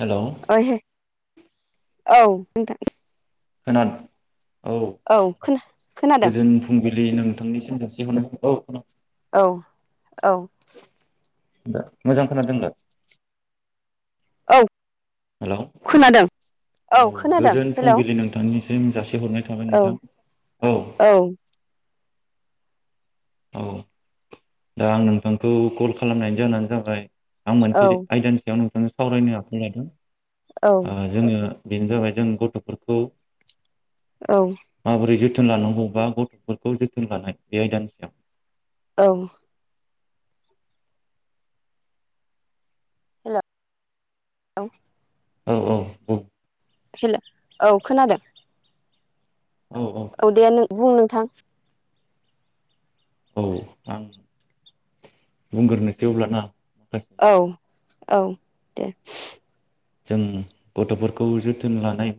हेल' ओहे औ नोंथां। खोनादों औ। खोना खोनादों गोजोन फुंबिलि नोंथांनिसिम । [unintelligible] औ औ । मोजां खोना दोंना? औ हेल' खोनादों औ औ खोनादों गोजोन हेलौ फुंबिलि नोंथांनि सिम जासि हरनाय थाबाय औ नोंथां । औ औ । दा आं नोंथांखौ कल खालामनायनि जाहोनानो जाबाय आं औ मोनसेसो आयदानि सायाव नो [unintelligible] सावरायनो आखायाव लादों। औ आ जोङो बेनो जाबाय जों गथ'फोरखौ औ माबोरै जो थोन लानांगौबा गथ'फोरखौ जोथोन लानाय बे आयदानि सायाव । औ । औे । औ औ औ । हेल औ खोनादों। औ दे नों बुं नोंथां । बुंगोरनोसै अब्लाना? माखासे औ औ । दे जों गथ'फोरखौ जोथोन लानाय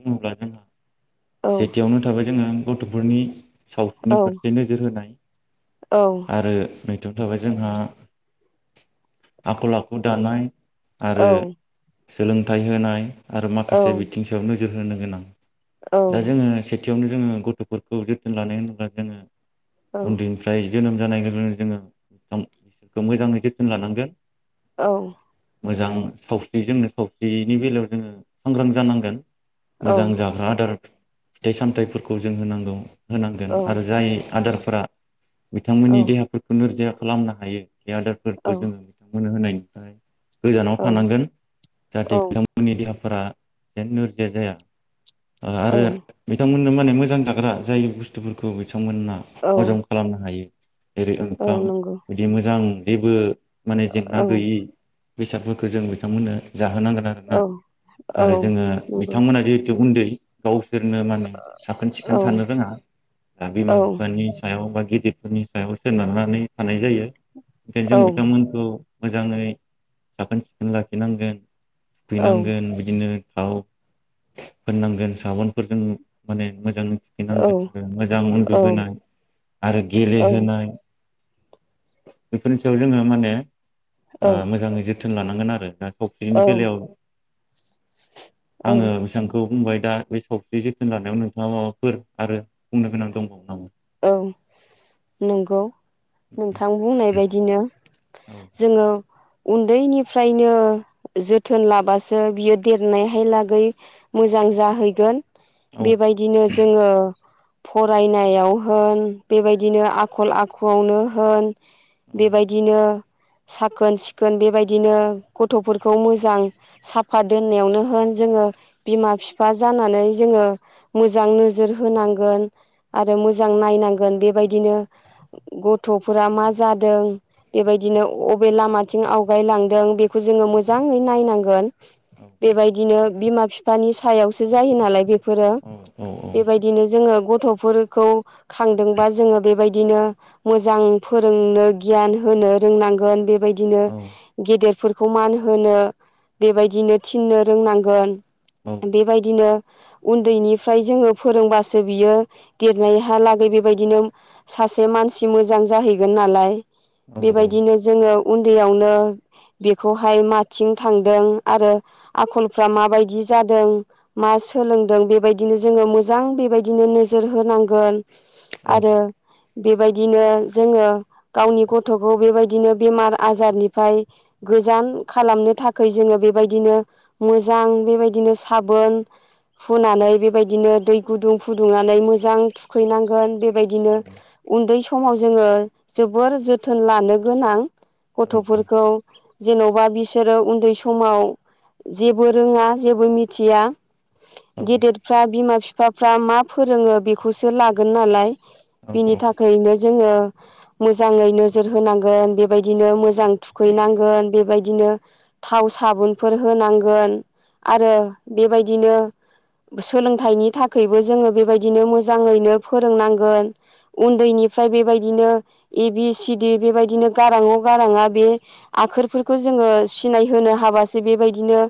औ [unintelligible] सेथियावनो थाबाय जोंङा गथ'फोरनि सावस्रिनि औ फारसे नोजोर होनाय औ आरो मैथोम थाबाय जोंहा आखल आखु दानाय आरो औ सोलोंथाइ होनाय आरो औ माखासे औ बिथिं सायावनो नोज जोर होनो गोनां दा जोंङो से थियावनो जोंङो गथ'फोरखौ जोथोन लानाय होनोब्ला जोंङो उन्दैनिफ्राय जोनोम जानाय लोगो लोगोनो जोंङो अं इखौ मोजांङै जोथोन लानांगोन औ मोजां सावस्रिजोंनो सावस्रिनि बेलायाव जोङो सांग्रां जानांगोन मोजां जाग्रा आदार फिथाइ- सामथाइफोरखौ जों होनांगौ होनांगोन आरो जाय आदार ब्रा बिथांमोननि देहाफोरखौ नोरजिया खालामनो हायो बे आदारफोरखौ जोंङो बिथांमोननो होनाय फ्राय गोजानाव औ थानांगोन औ बिथांमोननि गे [unintelligible] फोरा ए नोरजिया जाया आ आरो बिथांमोन नो माने मोजां जाग्रा जाय बुस्थुफोरखौ बिथ थांमोनना हजम औ खालामनो हायो एरै औ ओंखाम नंगौ बिदि मोजां जेबो माने जेंना औ गैयि बेसादफोरखौ जों बिथांमोननो जाहोनांगोन आरोना औ आरो औ जोंङो नंगौ बिथांमोना दिहुदो गावसोरनो माने साखोन सिखोन औ थानो रोङा दा बिमा बिफानि सायाव बा गिदिरफोरनि सायाव सोनारनानै थानाय जायो। ओंखायनो जों औ औ बिथांमोनखौ मोजाङै साखोन सिखोन लाखिनांगोन। औ हैनांगोन बिदिनो थाव फोननांगोन साबनफोरजों माने मोजां औ थुखैनांगोन आरो मोजां उन्दुहोनाय आरो गेलेहोनाय बेफोरनि सायाव जोङो माने औ ओ मोजाङै जो थोन लानांगोन आरो ना? बिनि औ बेलायाव औ आङो बेसांखौ बुंबाय। दा बे सावस्रि जोथोन लानायाव नोंथाङा माबाफोर आरो बुंनो गोनां दंबावो नामा? औ नंगौ नोंथां बुंनाय बायदिनो औ जोङो उन्दैनिफ्रायनो जोथोन लाबासो बियो देरनायहाय लागै मोजां जाहैगोन औ बेबायदिनो जोङो फरायनायाव होन बेबायदिनो आखल आखुआवनो होन औ बेबायदिनो साखोन सिखोन बेबायदिनो गथ'फोरखौ मोजां साफा दोननायावनो होन जोङो बिमा बिफा जानानै जोङो मोजां नोजोर होनांगोन आरो मोज नायनांगोन बेबायदिनो गथ'फोरा मा जादों बेबायदिनो अबे लामाथिं आवगायलांदों बेखौ जोङो मोजाङै नायनांगोन। औ बेबायदिनो बिमा बिफानि सायावसो जायो नालाय बे फोरो औ बेबायदिनो जोङो गथ'फोरखौ खांदोंबा जोङो बेबायदिनो मोजां फोरोंनो गियान होनो रोंनांगोन बेबायदि दिनो औ गेदेर फोरखौ मान होनो बेबायदिनो थिननो रोंनांगोन। औ बेबायदिनो उन्दैनिफ्राय जोङो फोरोंबासो बियो देरनायहा लागै बेबायदिनो सासे मानसि मोजां जाहैगोन नालाय। औ औ बेबायदिनो जोङो उन्दैयावनो बेखौहाय माथिं थांदों आरो आखलफ्रा माबायदि जादों मा सोलोंदों बेबायदिनो जोङो मोजां बेबायदिनो नोजोर होनांगोन। आरो बेबायदिनो जोङो गावनि गथ'खौ बेबायदिनो बेमार आजारनिफ्राय गोजान खालामनो थाखाय जोङो बेबायदिनो मोजां बेबायदिनो साबोन फुनानै बेबायदिनो दै गुदुं फुदुंनानै मोजां थुखैनांगोन बे बेबायदिनो उन्दै समाव जोङो जोबोर जोथोन लानो गोनां गथ'फोरखौ जेन'बा बिसोरो उन्दै समाव जेबो रोङा जेबो मिथिया । गेदेरफ्रा बिमा बिफा बिफाफ्रा मा फोरोङो बेखौ सो लागोन नालाय बिनि थाखायनो जोङो मोजाङै नोजोर होनांगोन बेबायदिनो मोजां थुखैनांगोन बेबायदिनो थाव साबुनफोर होनांगोन आरो बेबायदिनो सोलोंथाइनि थाखायबो जोङो बेबायदिनो मोजां मोजाङैनो फोरोंनांगोन उन्दैनिफ्राय बेबायदिनो ए बि सिडि बेबायदिनो गारांअ' गारांआ बे आखोरफोरखौ जोङो सिनायहोनो हाबासो बेबायदिनो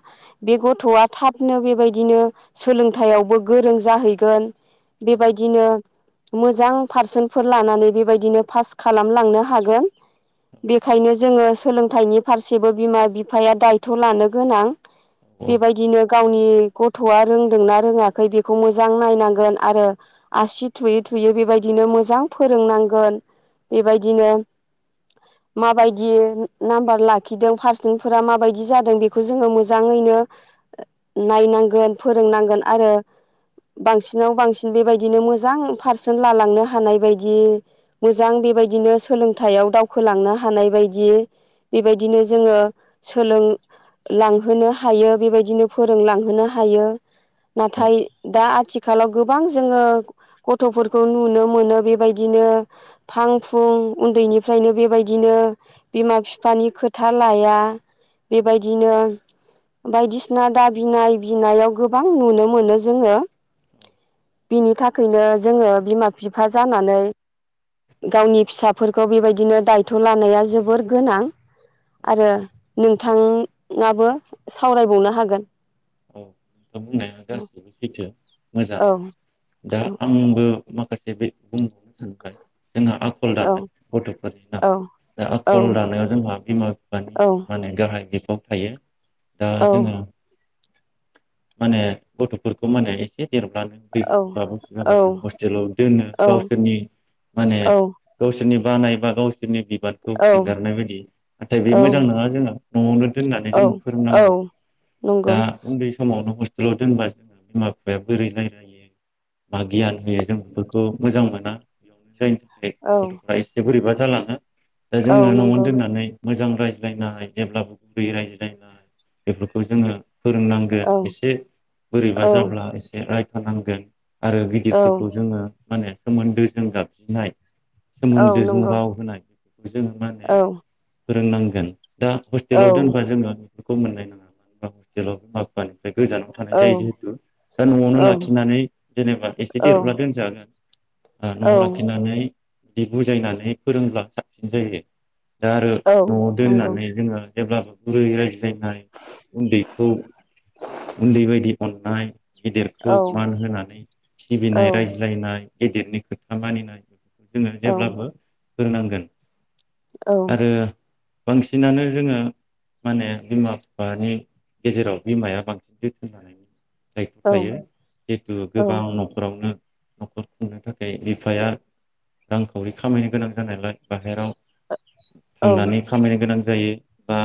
बे गथ'आ थाबनो बेबायदिनो सोलोंथायाइावबो गोरों जाहैगोन। बेबायदिनो मो मोजां पारसेन्टफोर लानानै बेबायदिनो पास खालामलांनो हागोन बेखायनो जोङो सोलोंथाइनि फारसेबो बिमा बिफाया दायथ' लानो गोनां। बेबायदिनो गावनि गथ'आ रोंदोंना रोङाखै बेखौ मोजां नायनांगोन आरो आसि थुयै थुयै बेबायदिनो मोजां फोरोंनांगोन बेबायदिनो माबायदि नाम्बार लाखिदों पारसेनफोरा माबायदि जादों बेखौ जोङो मोजाङैनो नायनांगोन फोरोंनांगोन आरो बांसिनाव बांसिन बेबायदिनो मोजां पारसेन लालांनो हानाय बायदि मोजां बेबायदिनो सोलोंथाइयाव दावखोलांनो हानाय बायदि बेबायदिनो जोङो सोलोंलांहोनो हायो बेबायदिनो फोरोंलांहोनो हायो। नाथाय दा आथिखाल खालगुब गोबां जोङो गथ'फोरखौ नुनो मोनो बेबायदिनो फां फुं उन्दैनिफ्रायनो बेबायदिनो बिमा बिफानि खोथा लाया बेबायदिनो बायदिसिना दा बिनाय बिनायाव गोबां नुनो मोनो जोङो। बिनि थाखायनो जोङो बिमा बिफा जानानै गावनि फिसाफोरखौ बेबायदिनो दायथ' लानाया जोबोर गोनां आरो नोंथाङाबो सावरायबावनो हागोन। औ नोंथां बुंनाया गासैबो सैथो मोजां औ दा औ आंबो माखासे बे बुंबावनो सानबाय जोंहा आख'ल औ दानाय गथ'फोरनि नाम दा औ आख'ल दानायाव जोंहा बिमा बिफानि औ माने गाहाय गिदिर गब थायो। दा औ जोङो माने गथ'फोरखौ माने एसे देरब्लानो दै औ बोसोर बाबसु औ जाबानो हस्टेलाव दोनो गावसोरनि माने गाव सोरनिबा नायबागाव नि बिबानखौ औ एंगारनाय बायदि नाथाय बे औ मोजां नङा जोंहा न'आवनो दोननानै औ जोंङो औ फोरोंनांगौ नंगौ दा उन्दै समावनो हस्टेलाव दोनबा जों बिमा बिफाया बोरै रायजलायो मा गियान होयो जों बेफोरखौ मोजां मोना बेयावनो जायनो थाखाय औ गथ'फ्रा एसे बोरैबा जालांङो दा औ जोङो न'आवनो नंगौ दोननानै मोजां रायज्लायनाय जेब्लाबो गुरै रायज्लायनाय बेफोरखौ जोङो औ फोरोंनांगोन एसे औ बोरैबा जाब्ला एसे राय थानांगोन आरो औ गिदिरफोरखौ जोङो माने सोमोन्दोजों गाबज्रिनाय औ सोमोन्दोजों नंगौ राव होनाय जोङो औ माहो फोरोंनांगोन दा औ नंगौ औ हस्टेलाव दोनबा जोङो बेखौ मोननाय नङा [unintelligible] ओमफ्राय गोजानाव थानाय औ जायो जिहेथु दा न'आवनो औ लाखिनानै जेनेबा एसे देरब्ला दोनजागोन औ न'आव लाखिनानै बिदि बुजायनानै फोरोंब्ला साबसिन जायो दा आरो औ न'आव नंगौ औ दोननानै जेनबा जेब्ला गुरै रायज्लायनाय उन्दै खौ उन्दै बायदि अननाय गिदिरखौ मान होनानै सिबिनाय रायज्लायनाय गेदेरनि खोथा मानिनाय जोङो जेब्लाबो औ रोंनांगोन आरो बांसिनानो जोङो माने बिमा बिफानि गेजेराव बिमाया बांसिन जोथोन लानायनि दाइथ' थायो औ जिहेतु गोबां औ न'खरावनो न'खर खुंनो थाखाय बिफाया रांखावरि खामायनो गोनां जानायलाय बाहेराव थांनानै खामायनो गोनां जायो बा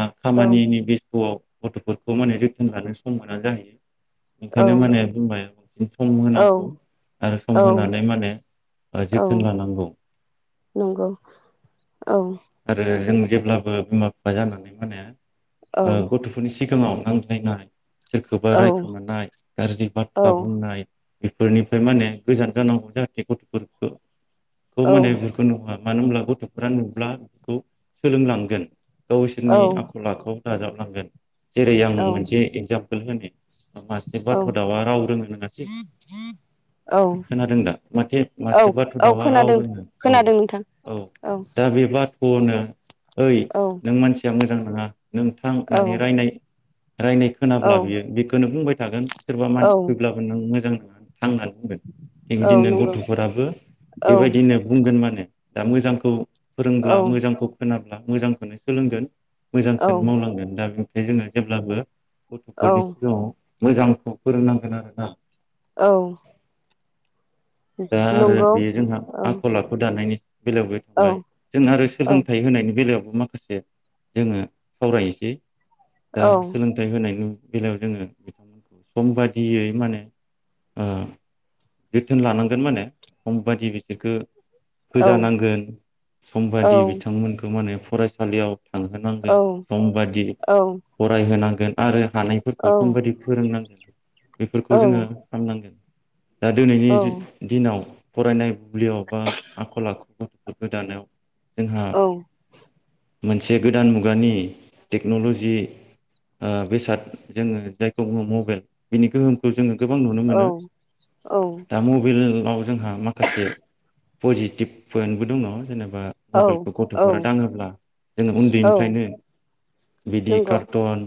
औ खामानिनि बेस्थआव गथ' खौ माने जोथोन लानो सम मोना जाहोयो ओंखायनो माने बुंबाय बांसिन सम होनांगौ आरो सम होनानै माने जोथोन लानांगौ औ आरो जों जेब्लाबो बिमा बिफा जानानै माने ओ गथ'फोरनि सि थि समाव नांज्लायनाय सोरखौबा रायखोमानाय गाज्रि बाथ्रा बुंनाय बेफोरनिफ्राय माने गोजान जानांगौ जाहाथे गथ'फोरखो खौ माने बोरखौनाव मानो होनब्ला गथ'फोरा नुब्ला खौ सोलोंलांगोन गावसोरनि आखल आखु दाजाबलांगोन जेरै आं मोनसे एगजाम पोल होनि ओ मासे बाथ' दाउआ राव रोङो नङासै औ औ औ खोनादों दा माथे औ मासे बाथ' औ दउआ राव खोनादों रोङो औ खोनादों नोंथां औ दा बे बाथ गुबुननो ओइ औ नों मानस जों मोजां नङा नोंथां औ नानै रायनाय रायनाय औ खोनाब्ला बियो बेखौनो बुंबाय थागोन सोरबा औ मानसि फैब्लाबो नों मोजां नङा थां होनना बुंगोन औ बिबादिनो नंगौ गथ'फोराबो औ बेबायदिनो बुंगोन माने दा मोजांखौ ब्ला औ मोजांखौ खोनाब्ला मोजांखोनो सोलोंगोन मोजांखोनो औ मावलांगोन दा बो बे जोंना जेब्लाबो गथ'फोरनि सिगाङाव मोजांखौ फोरोंनांगोन आरोना औ दा आरो नंगौ बेयो जोंहा औ आखल आखु दानायनि बेलायावबो औ थांबाय जों आरो औ सोलोंथाइ होनायनि बेलायाव ओ माखासे जोङो सावरायनोसै दा औ औ सोलोंथाइ होनायनि बेलायाव जोङो बिथांमोनखौ सम बादियै माने ओ। जोथोन लानांगोन माने सम बायदि बिसोरखौ । औ फोजानांगोन सम औ बादि बिथांमोनखौ माने। फरायसालियाव। औ थांहोनांगोन सम बादि औ फरायहोनांगोन। आरो। थानायफोरखौ सम बायदि फोरोंनांगोन बेफोरखौ जोङो खालामनांगोन। दा दिनैनि दिनाव। फरायनाय बुब्लियाव बा आखल आखु गथ'फोरखौ दानायाव। जोंहा औ। मोनसे गोदान मुगानि टेक्न'लजि बेसाद जोङो जायखौ बुङो मबाइल बिनि गोहोमखौ जोङो। गोबां नुनो मोनो। दा मबाइलाव जोंहा माखासे पजिटिभ पइन्टबो दङ जेनेबा। मबाइलखौ गथ'फोरा दाङोब्ला जोङो उन्दैनिफ्रायनो बिदि नंगौ कार्टुन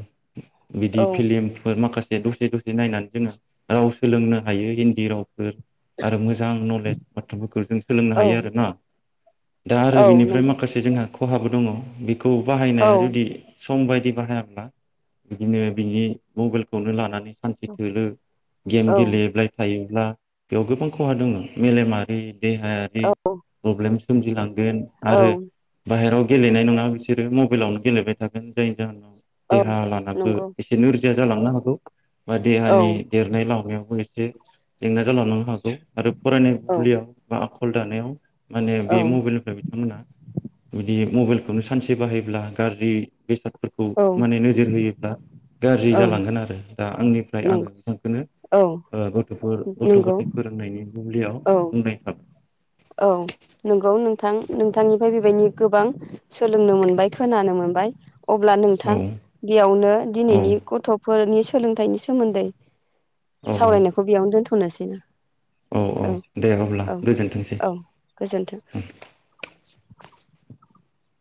बिदि औ फिलिमफोर माखासे। दसे दसे नायनानै जोङो राव सोलोंनो हायो। जेरावफोर। आरो मोजां नलेज बाथ्राफोरखौ जों सोलोंनो औ हायो आरोना दा आरो औ बेनिफ्राय नंगौ माखासे जोंहा। खहाबो दङ। बेखौ औ बाहायनाया जुदि सम बायदि बाहायाब्ला बिदिनो बिनि मबाइलखौनो लानानै। सान्से थोलो गेम औ गेलेब्लाय होयोब्ला बेयाव गोबां खहा दङ मेलेमारि देहायारि प्रब्लेम। सोमजिलाङो। औ आरो बाहेरायाव गेलेनाय नङा बिसोरो मबाइलावनो गेलेबाय थागोन जायनि जाहोनाव। औ देहा लानाबो नंगौ एसे नोर्जि या जालांनो हागौ। बा औ देहानि औ देरनाय लामनायावबो एसे। जे। [unintelligible] आरो फरायनाय बुब्लियाव बा आख। आखल दानायाव। माने बे औ मबाइलनिफ्राय बिथांमोना। बिदि मबाइलखौनो सानसे बाहायोब्ला गाज्रि बेसाद फोरखौ औ माने नोजोर होयोब्ला गाज्रि औ जालांगोन आरो। दा आंनिफ्राय नंगौ आङो नोंथांखौनो औ ओ गथ'फोर गथ' नंगौ गथाय फोरोंनायनि बुब्लियाव औ बुंनाय थाबाय। औ नोंगौ नोंथां नोंथांनिफ्राय बेबायदिनो गोबां सोलोंनो मोनबाय खोनानो मोनबाय। अब्ला औ नोंथां बेयावनो औ दिनैनि गथ'फोरनि सो सोलोंथाइनि सोमोन्दै। औ सावरायनायखौ बेयावनो दोनथ नोसै औ औ दे अब्ला गोजोन औ गोजोनथों। [unintelligible]